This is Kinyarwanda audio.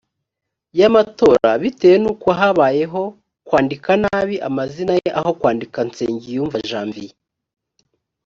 y amatora bitewe n uko habayeho kwandika nabi amazina ye aho kwandika nsengiyumva janvier